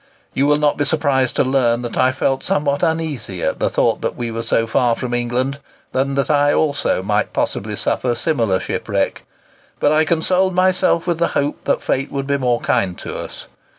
You will not be surprised to learn that I felt somewhat uneasy at the thought that we were so far from England, and that I also might possibly suffer similar shipwreck; but I consoled myself with the hope that fate would be more kind to us.